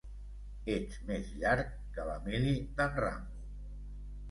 Ets més llarg que la mili d'en Rambo.